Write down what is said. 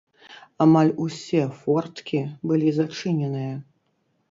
Амаль усе форткі былі зачыненыя.